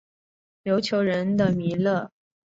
琉球人的弥勒。